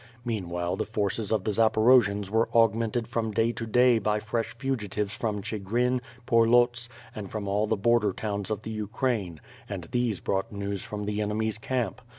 Meanwhile the forces of the Zaporojians were augmented from day to day by fresh fugitives from ('higrin, Porlots, and from all the border towns of the Ukraine, and these brought news from the enemy's camp.